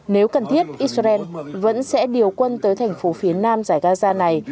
nếu cần thiết israel vẫn sẽ điều quân tới thành phố phía nam giải gaza này